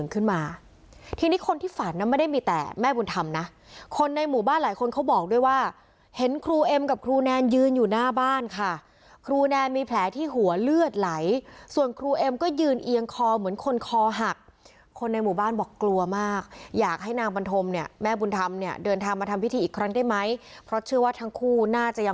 ขึ้นมาทีนี้คนที่ฝันนะไม่ได้มีแต่แม่บุญธรรมนะคนในหมู่บ้านหลายคนเขาบอกด้วยว่าเห็นครูเอ็มกับครูแนนยืนอยู่หน้าบ้านค่ะครูแนนมีแผลที่หัวเลือดไหลส่วนครูเอ็มก็ยืนเอียงคอเหมือนคนคอหักคนในหมู่บ้านบอกกลัวมากอยากให้นางบันทมเนี่ยแม่บุญธรรมเนี่ยเดินทางมาทำพิธีอีกครั้งได้ไหมเพราะเชื่อว่าทั้งคู่น่าจะยัง